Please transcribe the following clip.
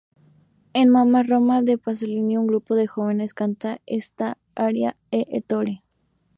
En "Mamma Roma" de Pasolini, un grupo de jóvenes canta esta aria a Ettore.